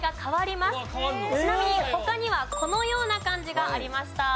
ちなみに他にはこのような漢字がありました。